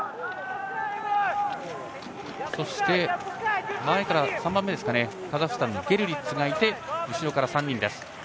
そして、前から３番目にカザフスタンのゲルリッツがいて後ろから３人です。